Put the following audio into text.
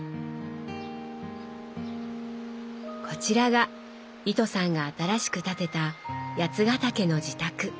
こちらが糸さんが新しく建てた八ヶ岳の自宅。